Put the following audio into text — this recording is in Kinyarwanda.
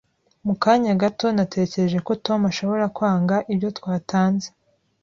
Mu kanya gato, natekereje ko Tom ashobora kwanga ibyo twatanze.